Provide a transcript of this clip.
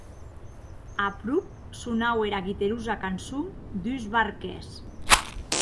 Aprop sonaue era guiterosa cançon d’uns barquèrs.